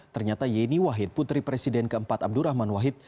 ternyata yeni wahid putri presiden keempat abdurrahman wahid